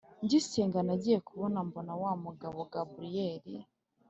ngisenga nagiye kubona mbona wa mugabo gaburiyeli